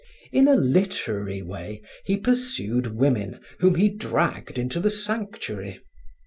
In a literary way, he pursued women whom he dragged into the sanctuary.